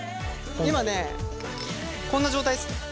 今ねこんな状態です。